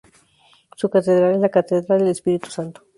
Su catedral es la Catedral del Espíritu Santo.